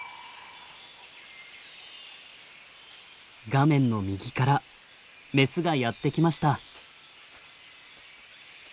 画面の右からメスがやって来ました。